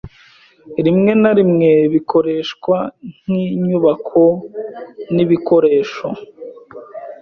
rimwe na rimwe bikoreshwa nk'inyubako n'ibikoresho